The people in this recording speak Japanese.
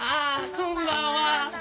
こんばんは。